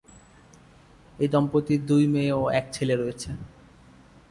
এই দম্পতির দুই মেয়ে ও এক ছেলে রয়েছে।